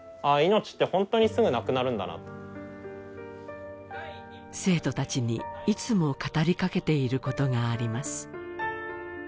あ命ってホントにすぐなくなるんだなと生徒達にいつも語りかけていることがあります